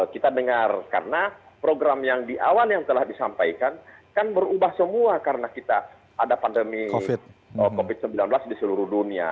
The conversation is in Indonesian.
kita dengar karena program yang di awal yang telah disampaikan kan berubah semua karena kita ada pandemi covid sembilan belas di seluruh dunia